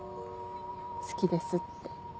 「好きです」って。